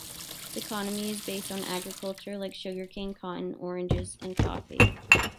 Its economy is based on agriculture, like sugar cane, cotton, oranges, coffee.